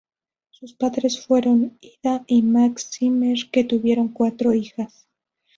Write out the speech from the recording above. Sus padres fueron Ida y Max Zimmer, que tuvieron cuatro hijas.